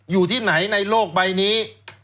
อยู่ที่ไหนในโลกใบนี้